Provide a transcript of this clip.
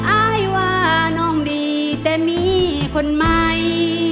อายว่าน้องดีแต่มีคนใหม่